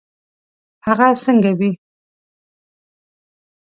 هغه څنګه وي.